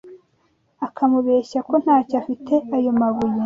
akamubeshya ko ntayo afite ayo mabuye